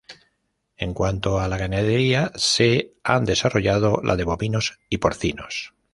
En cuanto a la ganadería, se ha desarrollado la de bovinos y porcinos.